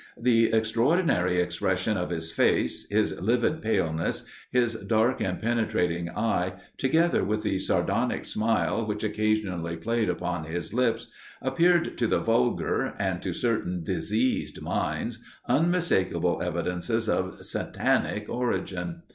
The extraordinary expression of his face, his livid paleness, his dark and penetrating eye, together with the sardonic smile which occasionally played upon his lips, appeared to the vulgar, and to certain diseased minds, unmistakable evidences of satanic origin.